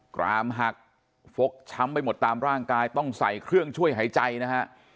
กรามหักฟกช้ำไปหมดตามร่างกายต้องใส่เครื่องช่วยหายใจนะฮะ